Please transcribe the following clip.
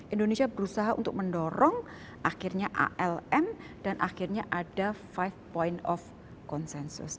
indonesia berusaha untuk mendorong akhirnya alm dan akhirnya ada five point of consensus